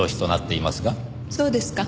そうですか。